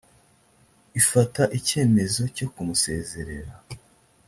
ifata icyemezo cyo kumusezerera